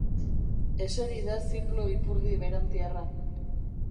Eseri da ziplo ipurdi berantiarra.